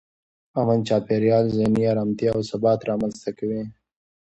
امن چاپېریال ذهني ارامتیا او ثبات رامنځته کوي.